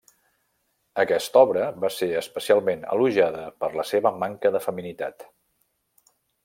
Aquesta obra va ser especialment elogiada per la seva manca de feminitat.